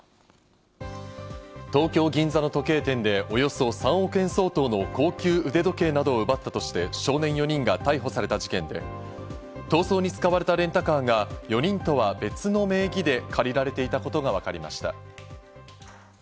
東京・銀座の時計店でおよそ３億円相当の高級腕時計などを奪ったとして、少年４人が逮捕された事件で、逃走に使われたレンタカーが４人とは別の名義で借りられていたことがわかりました。